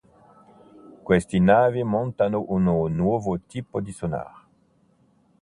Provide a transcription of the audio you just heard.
Queste navi montano un nuovo tipo di sonar.